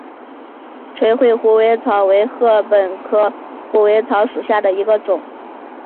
垂穗虎尾草为禾本科虎尾草属下的一个种。